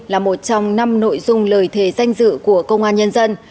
là một trong năm nội dung lời thề danh dự của công an nhân dân